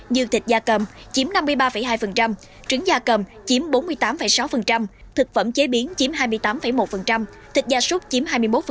như thịt da cầm chiếm năm mươi ba hai trứng da cầm chiếm bốn mươi tám sáu thực phẩm chế biến chiếm hai mươi tám một thịt da súc chiếm hai mươi một